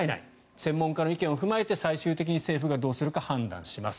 専門家の意見を踏まえて最終的に政府がどうするか判断します。